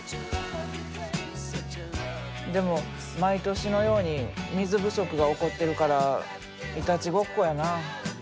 でも毎年のように水不足が起こってるからいたちごっこやな。